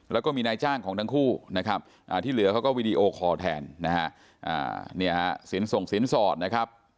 แล้วก็มีนายจ้างของทั้งคู่นะครับที่เหลือเขาก็วีดีโอคอร์แทนนะฮะสินส่งสินสอดนะครับ